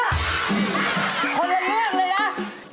เปลี่ยนเลือกเลยนะ